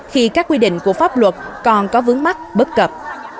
khi các quy định của pháp luật còn có vướng mắt bất cập